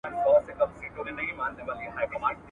• ږيره زما، اختيار ئې د بل.